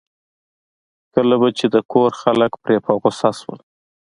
کله به چې د کور خلک پرې په غوسه شول.